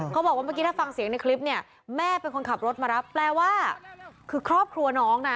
บอกว่าเมื่อกี้ถ้าฟังเสียงในคลิปเนี่ยแม่เป็นคนขับรถมารับแปลว่าคือครอบครัวน้องน่ะ